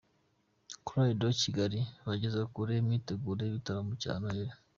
Chorale de Kigaki bageze kure imyiteguro y'igitaramo cya Noheli.